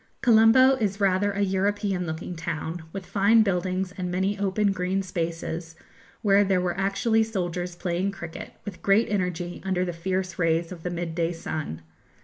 Colombo is rather a European looking town, with fine buildings and many open green spaces, where there were actually soldiers playing cricket, with great energy, under the fierce rays of the midday sun.